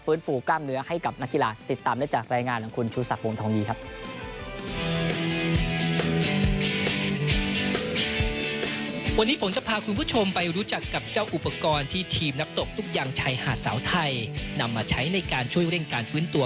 ฟื้นฝูกล้ามเนื้อให้กับนักกีฬาติดตามได้จากรายงานของคุณชูสักวงธงยีครับ